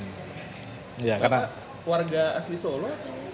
bapak warga asli solo